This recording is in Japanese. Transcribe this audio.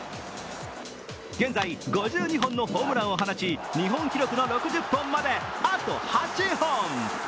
現在、５２本のホームランを放ち日本記録の６０本まで、あと８本。